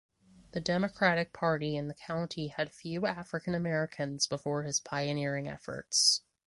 The Democratic Party in the county had few African Americans before his pioneering efforts.